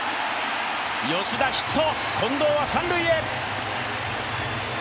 吉田ヒット、近藤は三塁へ。